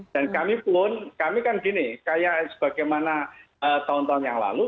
dan kami pun kami kan gini kayak sebagaimana tahun tahun yang lalu